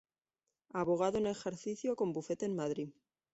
Abogado en ejercicio con bufete en Madrid.